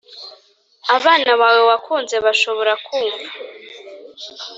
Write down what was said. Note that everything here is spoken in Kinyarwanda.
abana bawe wakunze bashobora kumva